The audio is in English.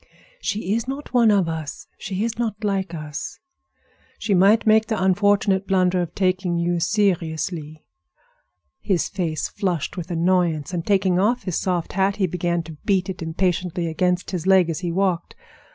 "She is not one of us; she is not like us. She might make the unfortunate blunder of taking you seriously." His face flushed with annoyance, and taking off his soft hat he began to beat it impatiently against his leg as he walked.